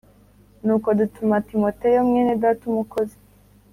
Nuko dutuma Timoteyo mwene Data umukozi